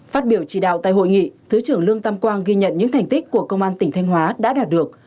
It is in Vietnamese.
phát biểu chỉ đạo tại hội nghị thứ trưởng lương tam quang ghi nhận những thành tích của công an tỉnh thanh hóa đã đạt được